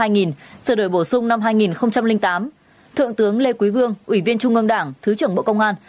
sửa đổi bổ sung năm hai nghìn tám thượng tướng lê quý vương ủy viên trung ương đảng thứ trưởng bộ công an